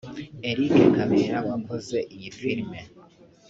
Eric Kabera wakoze iyi film